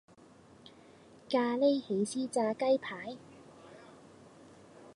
咖哩起司炸雞排